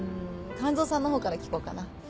完三さんのほうから聞こうかな。